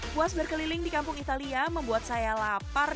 puas berkeliling di kampung italia membuat saya lapar